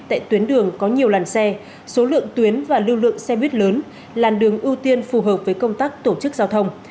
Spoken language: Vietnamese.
tại tuyến đường có nhiều làn xe số lượng tuyến và lưu lượng xe buýt lớn làn đường ưu tiên phù hợp với công tác tổ chức giao thông